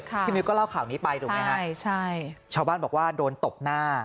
มิวก็เล่าข่าวนี้ไปถูกไหมฮะใช่ใช่ชาวบ้านบอกว่าโดนตบหน้า